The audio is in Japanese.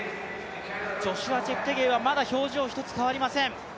ジョシュア・チェプテゲイはまだ表情一つ変わりません。